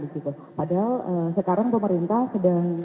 padahal sekarang pemerintah sedang